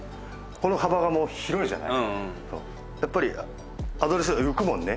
この幅が広いじゃない。